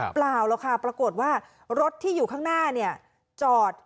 ปล่าวแล้วค่ะปรากฏว่ารถที่อยู่ข้างหน้าจอด